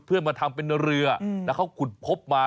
เพื่อมาทำเป็นเรือก็ขุดพบมา